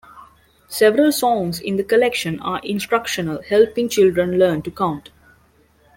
Several songs in the collection are instructional, helping children learn to count.